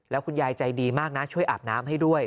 แล้วคุณยายใจดีมากนะช่วยอาบน้ำให้ด้วย